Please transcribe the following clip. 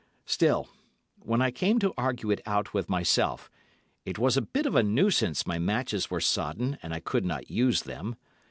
Still, when I came to argue it out with myself, it was a bit of a nuisance my matches were sodden and I could not use them.